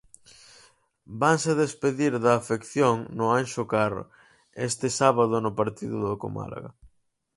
Vanse despedir da afección no Anxo Carro este sábado no partido co Málaga.